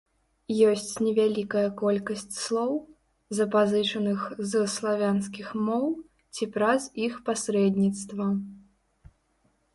Ёсць невялікая колькасць слоў, запазычаных з славянскіх моў ці праз іх пасрэдніцтва.